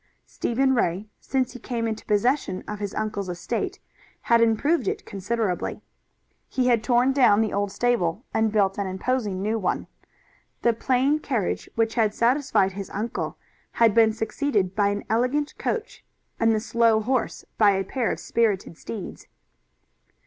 Stephen Ray, since he came into possession of his uncle's estate, had improved it considerably. He had torn down the old stable and built an imposing new one. The plain carriage which had satisfied his uncle had been succeeded by an elegant coach, and the slow horse by a pair of spirited steeds.